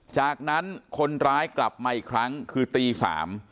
จากนั้นคนร้ายกลับมาอีกครั้งคือตี๓